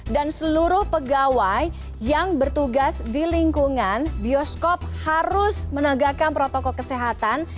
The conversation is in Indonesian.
dan seluruh pegawai yang bertugas di lingkungan bioskop harus menegakkan protokol kesehatan